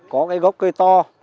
có cái gốc cây to